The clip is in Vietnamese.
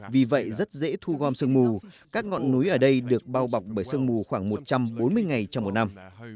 vì vậy rất dễ thu gom sương mù các ngọn núi ở đây được bao bọc bởi sương mù khoảng một trăm bốn mươi ngày trong một năm